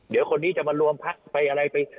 เดี๋ยวคนนี้จะมารวมพักไปอะไรไป